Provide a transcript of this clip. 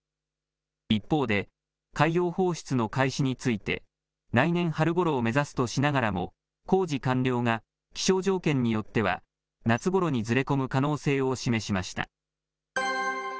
一方で、海洋放出の開始について、来年春ごろを目指すとしながらも、工事完了が気象条件によっては、夏ごろにずれ込む可能性を示しました。